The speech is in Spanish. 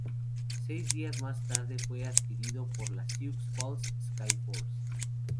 Seis días más tarde fue adquirido por los Sioux Falls Skyforce.